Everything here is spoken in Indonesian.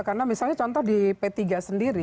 karena misalnya contoh di p tiga sendiri